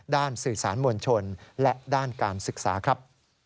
สื่อสารมวลชนและด้านการศึกษาครับ